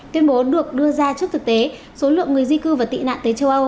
tuyên bố được đưa ra trước thực tế số lượng người di cư và tị nạn tới châu âu